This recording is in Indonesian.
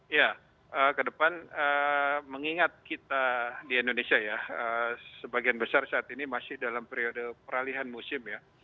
ya ke depan mengingat kita di indonesia ya sebagian besar saat ini masih dalam periode peralihan musim ya